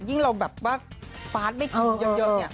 ยิ่งเราแบบว่าฟาร์ดไม่กินเยอะเนี่ย